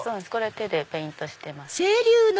手でペイントしてます。